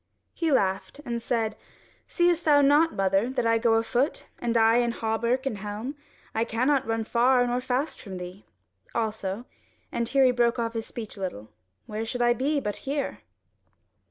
He laughed and said: "Seest thou not, mother, that I go afoot, and I in hauberk and helm? I cannot run far or fast from thee. Also" (and here he broke off his speech a little) "where should I be but here?"